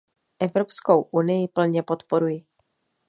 Evropskou unii plně podporuji.